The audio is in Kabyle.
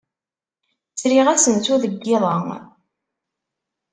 Sriɣ asensu deg yiḍ-a.